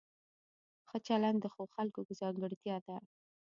ښه چلند د ښو خلکو ځانګړتیا ده.